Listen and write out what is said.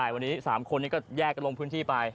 วันนี้๓คนนี้ก็แยกกันลงพื้นที่ไป